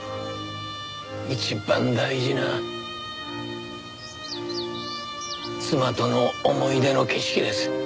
一番大事な妻との思い出の景色です。